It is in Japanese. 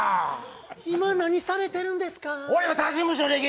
今、何されてるんですか？